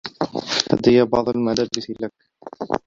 لديّ بعض الملابس لك.